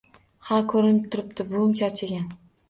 Ha, koʻrinib turibdi, buvim charchagan.